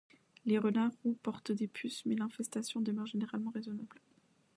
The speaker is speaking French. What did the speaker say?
Les Renards roux portent des puces, mais l'infestation demeure généralement raisonnable.